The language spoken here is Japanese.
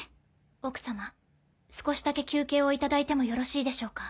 奥様少しだけ休憩を頂いてもよろしいでしょうか？